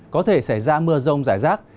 có thể xảy ra mưa rông rải rác